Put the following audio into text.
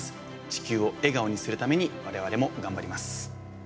地球を笑顔にするために我々も頑張ります。